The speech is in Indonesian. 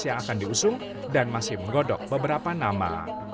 yang akan diusung dan masih menggodok beberapa nama